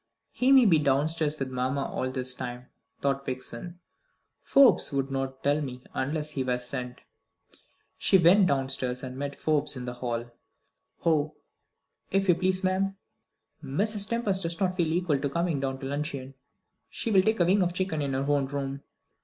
"He may be downstairs with mamma all this time," thought Vixen. "Forbes would not tell me, unless he were sent." She went downstairs and met Forbes in the hall. "Oh, if you please, ma'am, Mrs. Tempest does not feel equal to coming down to luncheon. She will take a wing of chicken in her own room."